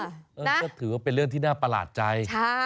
ก็ถือว่าเป็นเรื่องที่น่าประหลาดใจ